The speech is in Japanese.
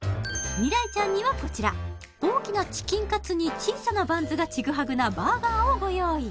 未来ちゃんにはこちら大きなチキンカツに小さなバンズがちぐはぐなバーガーをご用意